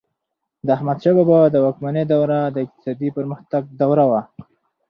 د احمدشاه بابا د واکمنۍ دوره د اقتصادي پرمختګ دوره وه.